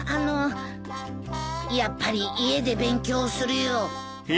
やっぱり家で勉強するよ。